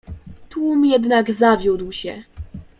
"Tłum jednak zawiódł się."